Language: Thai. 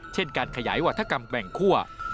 เช่นการขยายวัฒกรรมแกว่งคั่ว